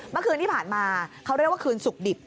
เมื่อคืนที่ผ่านมาเขาเรียกว่าคืนสุขดิบ